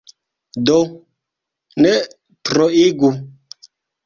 Do, ne troigu.